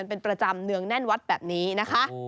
เป็นประจำเนืองแน่นวัดแบบนี้นะคะ